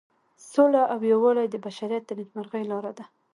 سوله او یووالی د بشریت د نیکمرغۍ لاره ده.